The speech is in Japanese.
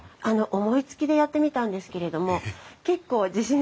思いつきでやってみたんですけれども結構自信作なんです。